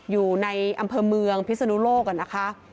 อยู่ในอำเภอเมืองพิศนุโลกนะคะ